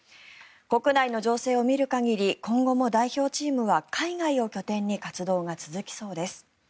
国内の情勢を見る限り今後も代表チームは海外を拠点に活動が続きそうです。